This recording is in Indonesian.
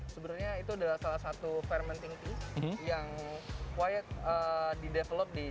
sebenernya itu adalah salah satu fermenting tea yang quiet didevelop di jepang